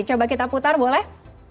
coba kita putar boleh